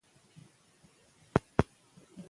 د هېواد په کتابتونونو کې وخت تېر کړئ.